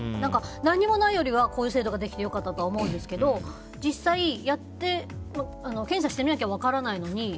何もないよりはこういう制度ができて良かったとは思うんですが実際に検査してみないと分からないのに